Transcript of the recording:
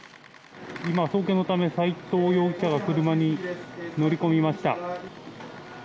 送検のため、斎藤容疑者が車に乗り込みました。